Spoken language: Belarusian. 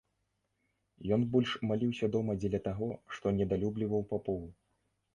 Ён больш маліўся дома дзеля таго, што недалюбліваў папоў.